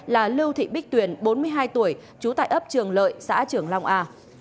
là lưu thị bích tuyển bốn mươi hai tuổi chú tại ấp trường lợi xã trường long a